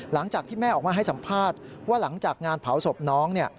หลังจากที่แม่ออกมาให้สัมภาษณ์ว่าหลังจากงานเผาศพน้อง